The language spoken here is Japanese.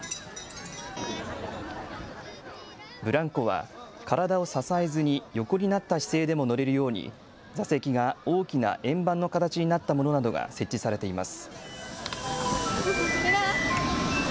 ブランコは体を支えずに横になった姿勢でも乗れるように座席が大きな円盤の形になったものなどが設置されています。